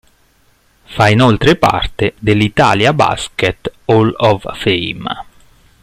Fa inoltre parte dell'Italia Basket Hall of Fame.